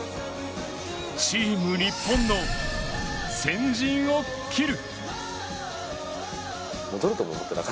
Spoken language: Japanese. チーム日本の先陣を切る！